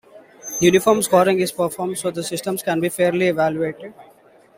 Uniform scoring is performed so the systems can be fairly evaluated.